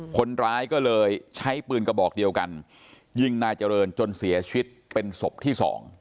คนร้ายก็เลยใช้ปืนกระบอกเดียวกันยิงนายเจริญจนเสียชีวิตเป็นศพที่๒